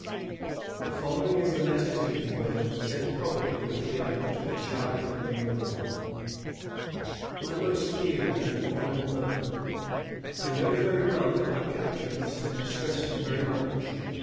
128 The following is the letter to his fnotfaer, sent probably, with the other, to the charge of Le Moyne: — Mt most dras and honobed Mother, — I know very well that mj capture must have distressed you very much.